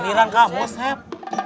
giliran kamu sep